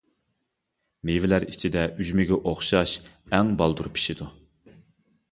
مېۋىلەر ئىچىدە ئۈجمىگە ئوخشاش ئاڭ بالدۇر پىشىدۇ.